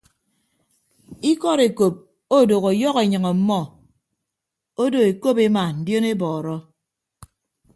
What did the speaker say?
Ikọd ekop odooho ọyọhọ enyịñ ọmmọ odo ekop ema ndionebọọrọ.